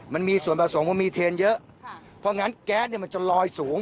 มันมีส่วนผสมว่ามีเทนเยอะค่ะเพราะงั้นแก๊สเนี่ยมันจะลอยสูง